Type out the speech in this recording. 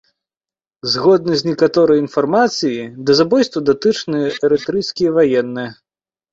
Згодна з некаторай інфармацыі, да забойстваў датычныя эрытрэйскі ваенныя.